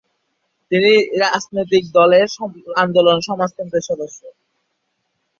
তিনি রাজনৈতিক দলের আন্দোলন সমাজতন্ত্রের সদস্য।